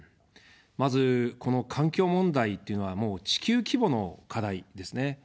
まずこの環境問題というのは、もう地球規模の課題ですね。